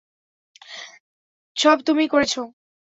সব তুমিই করেছ?